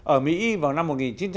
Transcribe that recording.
ở mỹ vào năm một nghìn chín trăm bảy mươi